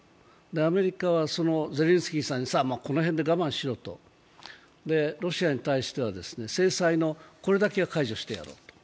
アメリカは、ゼレンスキーさんにこの辺で我慢しろと、ロシアに対しては制裁の、これだけは解除してやろうと。